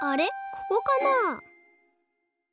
ここかなあ？